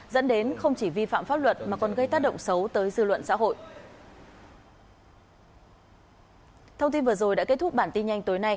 dẫn đến không chỉ vi phạm pháp luật mà còn gây tác động xấu tới dư luận xã hội